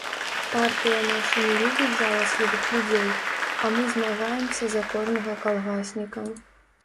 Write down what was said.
Партыя наша не любіць жаласлівых людзей, а мы змагаемся за кожнага калгасніка.